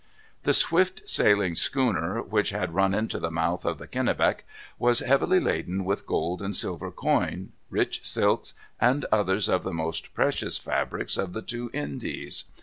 The swift sailing schooner which had run into the mouth of the Kennebec was heavily laden with gold and silver coin, rich silks, and others of the most precious fabrics of the two Indies.